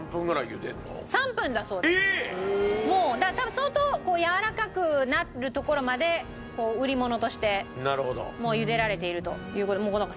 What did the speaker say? もう多分相当やわらかくなるところまで売り物としてもう茹でられているという事。